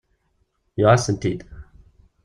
Yuɣ-asen-t-id.